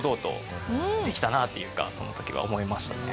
その時は思いましたね。